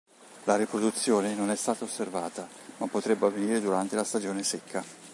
La riproduzione non è stata osservata, ma parrebbe avvenire durante la stagione secca.